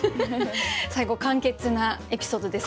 最後簡潔なエピソードですね。